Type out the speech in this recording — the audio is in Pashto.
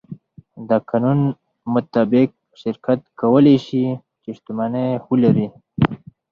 د قانون مطابق شرکت کولی شي، چې شتمنۍ ولري.